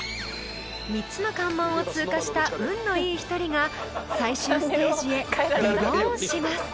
［３つの関門を通過した運のいい１人が最終ステージへリボーンします］